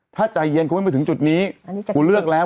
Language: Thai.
ถ้าใจเย็นกูไม่มาถึงจุดนี้กูเลือกแล้ว